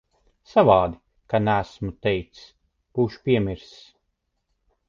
Savādi, ka neesmu teicis. Būšu piemirsis.